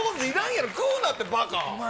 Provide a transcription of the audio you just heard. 食うなって、ばか。